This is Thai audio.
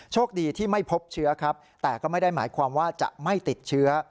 โชคดีที่ไม่พบเชื้อครับแต่ก็ไม่ได้หมายความว่าจะไม่ติดเชื้อ